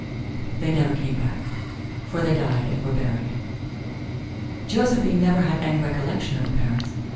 They never came back, for they died and were buried. Josephine never had any recollection of her parents.